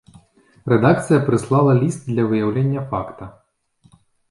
Рэдакцыя прыслала ліст для выяўлення факта.